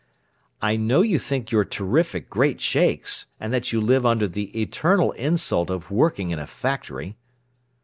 "I know you think you're terrific great shakes, and that you live under the eternal insult of working in a factory."